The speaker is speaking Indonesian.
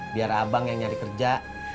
biar abang yang nyari kerja